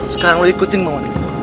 sekarang lo ikutin mau